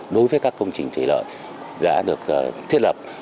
đối với các công trình thủy lợi đã được thiết lập